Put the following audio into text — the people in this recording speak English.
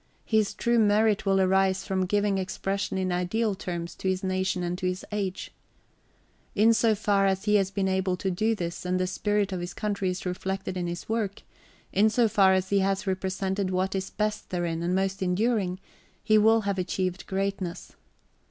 His true merit will arise from giving expression in ideal terms to his nation and to his age. In so far as he has been able to do this and the spirit of his country is reflected in his work, in so far as he has represented what is best therein and most enduring, he will have achieved greatness.